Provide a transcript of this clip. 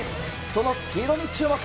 そのスピードに注目。